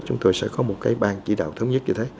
chúng tôi sẽ có một cái bang chỉ đạo thống nhất như thế